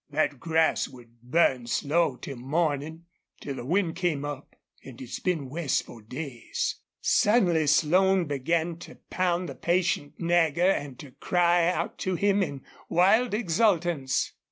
That grass would burn slow till mornin' till the wind came up an' it's been west for days." Suddenly Slone began to pound the patient Nagger and to cry out to him in wild exultance.